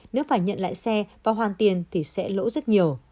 nếu phải nhận lại xe và hoàn tiền thì sẽ lỗ rất nhiều